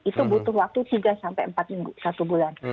itu butuh waktu tiga sampai empat minggu satu bulan